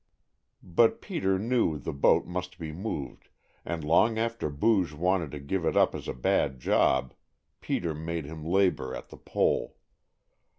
But Peter knew the boat must be moved, and long after Booge wanted to give it up as a bad job, Peter made him labor at the pole.